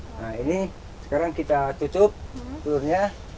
nah ini sekarang kita tutup telurnya